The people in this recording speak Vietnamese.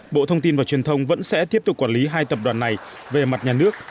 bộ thông tin và truyền thông vẫn sẽ tiếp tục quản lý hai tập đoàn này về mặt nhà nước